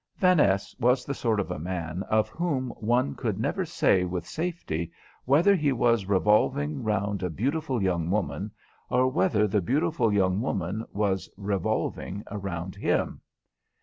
Vaness was the sort of a man of whom one could never say with safety whether he was revolving round a beautiful young woman or whether the beautiful young woman was revolving round him.